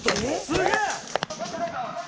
すげえ！」